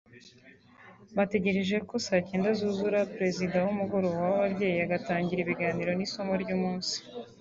bategereje ko saa cyenda zuzura Perezida w’umugoroba w’ababyeyi agatangiza ibiganiro n’isomo ry’umunsi